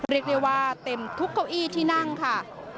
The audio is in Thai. เรียกได้ว่าเต็มทุกเก้าอี้ที่นั่งค่ะ